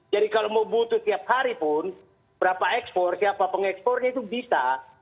jadi kalau mau butuh tiap hari pun berapa ekspor siapa pengekspornya itu bisa